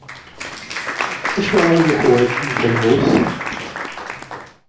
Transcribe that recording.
Acuɣer i yeḥwaǧ Yuba lmus?